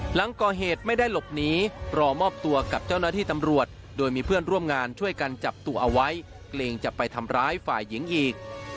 หลังก่อเหตุไม่ได้หลบหนีรอมอบตัวกับเจ้าหน้าที่ตำรวจโดยมีเพื่อนร่วมงานช่วยกันจับตัวเอาไว้เกรงจะไปทำร้ายฝ่ายหญิงอีก